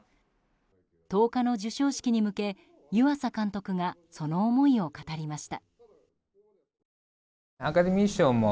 １０日の授賞式に向け湯浅監督がその思いを語りました。